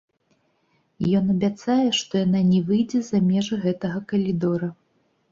Ён абяцае, што яна не выйдзе за межы гэтага калідора.